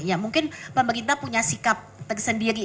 ya mungkin pemerintah punya sikap tersendiri